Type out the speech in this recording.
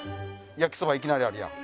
焼きそばいきなりあるやん。